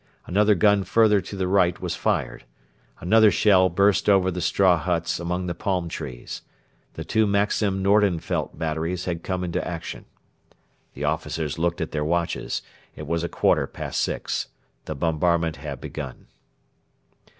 Another gun further to the right was fired. Another shell burst over the straw huts among the palm trees. The two Maxim Nordenfeldt batteries had come into action. The officers looked at their watches. It was a quarter past six. The bombardment had begun.